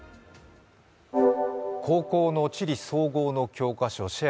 高校の地理総合のシェア